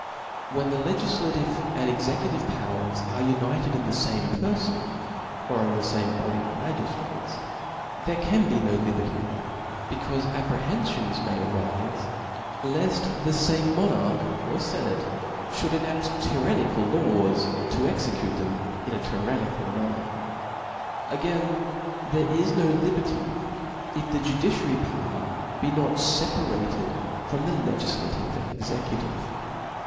When the legiflative and executive powers are united in the fame perfon, or in the fame body of magiftrates, there can be no liberty ; becaufe ap prehenfions may arife, left the fame monarch or fenateifaould enadk tyrannical laws, to execute them in a tyrannical manner. . Again, there is no liberty, if the judiciary power . be not feparated frem the legiAative and executive.